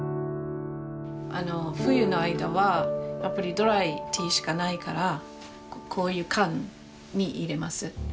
あの冬の間はやっぱりドライティーしかないからこういう缶に入れます。